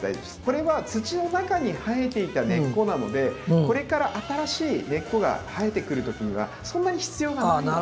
これは土の中に生えていた根っこなのでこれから新しい根っこが生えてくる時にはそんなに必要がないんで。